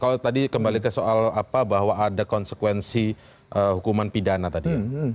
kalau tadi kembali ke soal apa bahwa ada konsekuensi hukuman pidana tadi ya